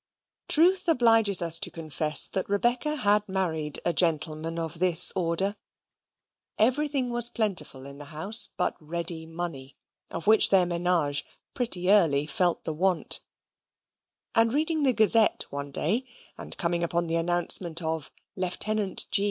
Truth obliges us to confess that Rebecca had married a gentleman of this order. Everything was plentiful in his house but ready money, of which their menage pretty early felt the want; and reading the Gazette one day, and coming upon the announcement of "Lieutenant G.